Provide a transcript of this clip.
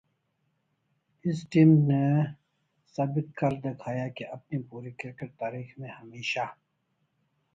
اس team نے ثابت کر دکھایا کہ اپنی پوری کرکٹ تاریخ میں ہمیشہ